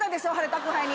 宅配に。